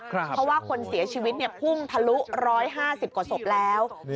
เพราะว่าคนเสียชีวิตพุ่งทะลุ๑๕๐กว่าศพแล้ว